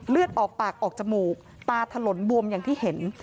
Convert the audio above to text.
เลือดออกปากออกจมูกตาถลนบวมอย่างที่เห็น